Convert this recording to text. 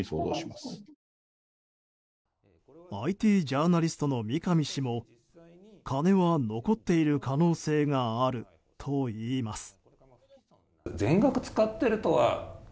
ＩＴジャーナリストの三上氏も金は残っている可能性があるといいます。